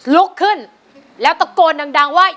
ลุกขึ้นแล้วตะโกนดังว่า